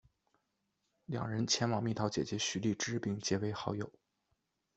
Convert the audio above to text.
两人前往蜜桃姐姐徐荔枝并结为好友。